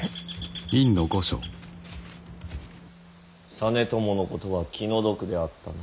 実朝のことは気の毒であったな。